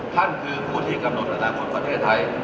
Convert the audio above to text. ท่านคือพูดที่กำหนดเอาเป็นมาประเทศไทย